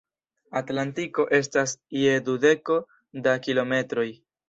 Atlantiko estas je dudeko da kilometroj.